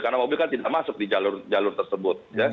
karena mobil kan tidak masuk di jalur jalur tersebut